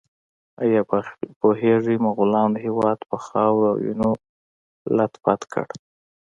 ایا پوهیږئ مغولانو هېواد په خاورو او وینو لیت پیت کړ؟